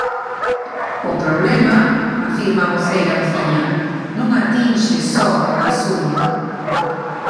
O problema, afirma a voceira veciñal, non atinxe só a Visuña.